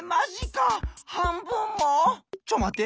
ちょっまって！